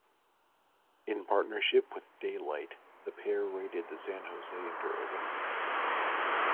In partnership with Daylight, the pair raided the San Jose Interurban.